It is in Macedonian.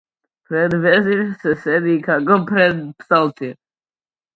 Пред везир се седи како пред псалтир!